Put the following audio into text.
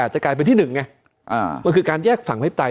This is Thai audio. ๑๘๘จะกลายเป็นที่หนึ่งมันคือการแยกฝั่งประเภทไตย